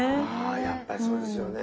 あやっぱりそうですよね。